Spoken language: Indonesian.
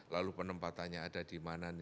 lalu penempatannya ada di mana